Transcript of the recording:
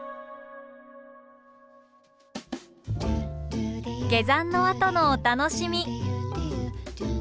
下山のあとのお楽しみ。